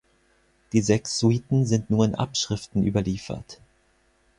Die sechs Suiten sind nur in Abschriften überliefert.